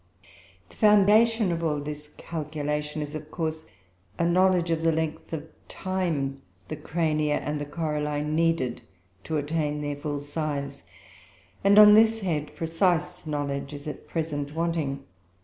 The foundation of all this calculation is, of course, a knowledge of the length of time the Crania and the coralline needed to attain their full size; and, on this head, precise knowledge is at present wanting.